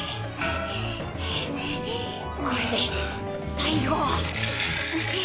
これで最後。